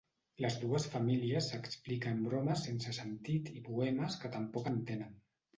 Les dues famílies s'expliquen bromes sense sentit i poemes que tampoc en tenen.